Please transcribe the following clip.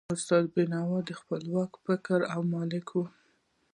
استاد بینوا د خپلواک فکر مالک و.